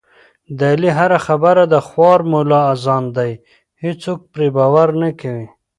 د علي هره خبره د خوار ملا اذان دی، هېڅوک پرې باور نه کوي.